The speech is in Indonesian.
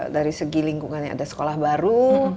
dari segi lingkungannya ada sekolah baru